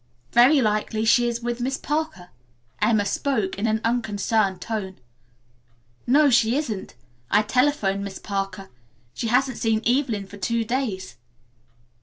"Very likely she is with Miss Parker." Emma spoke in an unconcerned tone. "No she isn't. I telephoned Miss Parker. She hasn't seen Evelyn for two days."